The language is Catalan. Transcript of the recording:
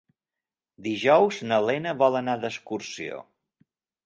Dijous na Lena vol anar d'excursió.